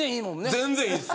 全然いいです。